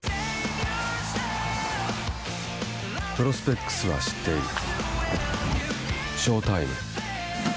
プロスペックスは知っている。